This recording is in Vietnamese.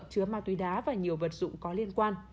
chứa ma túy đá và nhiều vật dụng có liên quan